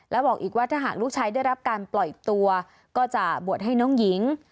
แล้วบอกอีกว่าถ้าหากลูกชายได้รับการปล่อยตัวก็จะบวชให้น้องหญิง